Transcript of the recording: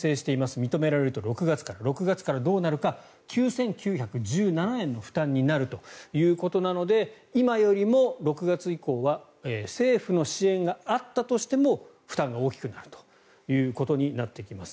認められると６月から６月からどうなるか９９１７円の負担になるということなので今よりも６月以降は政府の支援があったとしても負担が大きくなるということになってきます。